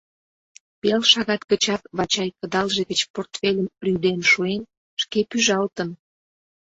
Пел шагат гычак Вачай кыдалже гыч портфельым рӱден шуэн, шке пӱжалтын.